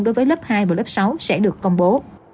đối với lớp hai và lớp sáu sẽ được công bố